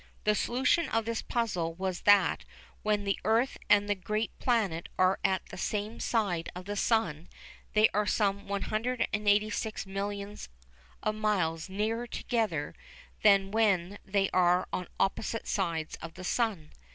The solution of the puzzle was that when the earth and the great planet are on the same side of the sun they are some 186 millions of miles nearer together than when they are on opposite sides of the sun.